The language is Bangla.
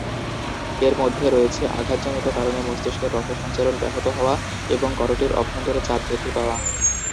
এর মধ্যে রয়েছে আঘাতজনিত কারণে মস্তিষ্কের রক্ত সঞ্চালন ব্যহত হওয়া এবং করোটির অভ্যন্তরে চাপ বৃদ্ধি পাওয়া।